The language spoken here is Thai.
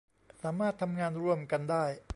สามารถทำงานร่วมกันได้